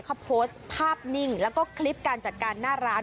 เขาโพสต์ภาพนิ่งแล้วก็คลิปการจัดการหน้าร้าน